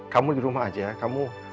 kamu di rumah aja kamu